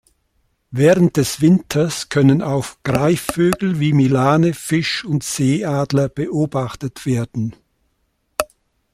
Während des Winters können auch Greifvögel wie Milane, Fisch- und Seeadler beobachtet werden.